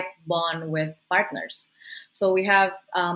hubungan yang rapuh dengan